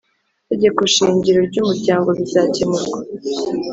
Tegeko shingiro ry umuryango bizakemurwa